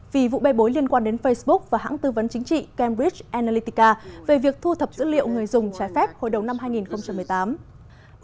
vì vụ bê bối liên quan đến facebook và hãng tư vấn chính trị cambridge analytica về việc thu thập dữ liệu người dùng trái phép hồi đầu năm hai nghìn một mươi tám